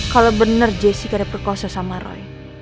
kalau bener jessica ada perkosa sama roy